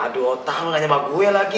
aduh otak gak nyoba gue lagi